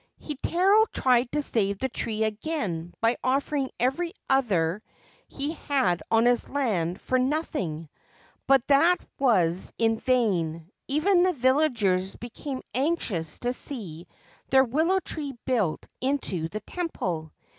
Heitaro tried to save the tree again by offering every other he had on his land for nothing ; but that was in vain. Even the villagers became anxious to see their willow tree built into the temple.